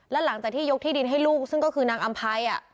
แล้วหลังจากที่ยกที่ดินให้ลูกซึ่งก็คือนางอำภัย